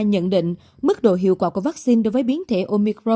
nhận định mức độ hiệu quả của vaccine đối với biến thể omicro